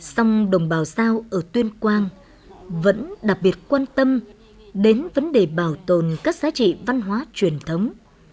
xong đồng bào giao ở tuyên quang vẫn đặc biệt quan tâm đến vấn đề bảo tồn các giá trị văn hóa truyền thống